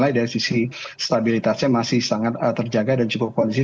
dari sisi stabilitasnya masih sangat terjaga dan cukup kondisif